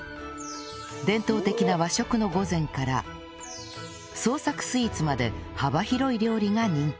伝統的な和食の御膳から創作スイーツまで幅広い料理が人気